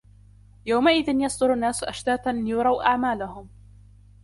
يومئذ يصدر الناس أشتاتا ليروا أعمالهم